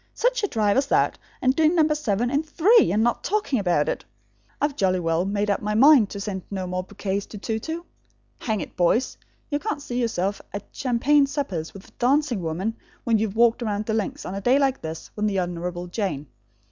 Such a drive as that, and doing number seven in three and not talking about it! I've jolly well made up my mind to send no more bouquets to Tou Tou. Hang it, boys! You can't see yourself at champagne suppers with a dancing woman, when you've walked round the links, on a day like this, with the Honourable Jane.